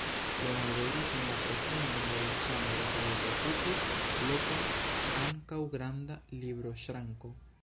Leonardo iris en la profundon de la ĉambro kaj ekokupis lokon antaŭ granda libroŝranko.